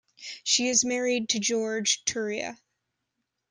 She is married to George Turia.